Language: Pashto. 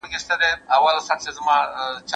د اسلام دین د ژوند دپاره بشپړ نظام دی.